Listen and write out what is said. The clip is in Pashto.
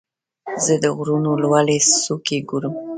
زه د غرونو لوړې څوکې ګورم.